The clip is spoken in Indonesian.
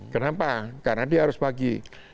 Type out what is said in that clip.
kenapa karena dia harus bagi